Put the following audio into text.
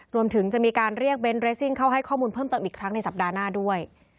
รวมถึงจะมีการเรียกเบนท์เรสซิ่งเข้าให้ข้อมูลเพิ่มเติมอีกครั้งในสัปดาห์หน้าด้วย